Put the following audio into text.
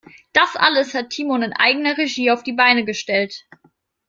Das alles hat Timon in eigener Regie auf die Beine gestellt.